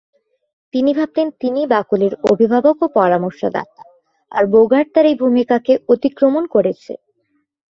তিনি ভাবতেন তিনিই বাকলের অভিভাবক ও পরামর্শদাতা, আর বোগার্ট তাঁর এই ভূমিকাকে অতিক্রমণ করছে।